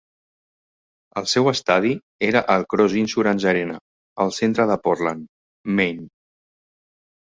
El seu estadi era el Cross Insurance Arena, al centre de Portland, Maine.